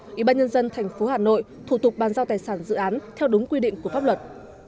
ủy ban nhân dân thành phố hà nội thủ tục bàn giao tài sản dự án theo đúng quy định của pháp luật